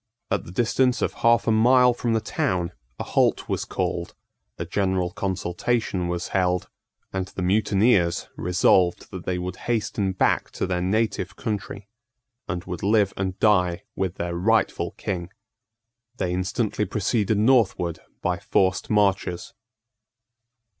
At the distance of half a mile from the town a halt was called: a general consultation was held; and the mutineers resolved that they would hasten back to their native country, and would live and die with their rightful King. They instantly proceeded northward by forced marches.